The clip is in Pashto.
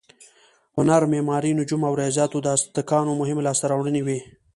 هنر، معماري، نجوم او ریاضیاتو د ازتکانو مهمې لاسته راوړنې وې.